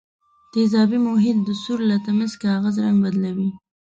تیزابي محیط د سرو لتمس کاغذ رنګ بدلوي.